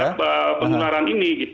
ya penularan ini